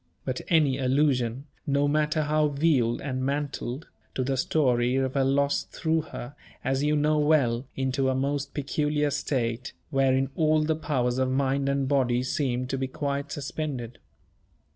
But any allusion no matter how veiled and mantled to the story of her loss threw her, as you know well, into a most peculiar state, wherein all the powers of mind and body seemed to be quite suspended.